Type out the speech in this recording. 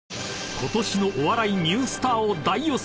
［ことしのお笑いニュースターを大予想！